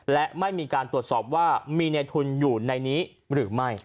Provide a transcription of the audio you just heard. และไม่มีการตรวจสอบว่ามีในทุนอยู่ในนี้หรือไม่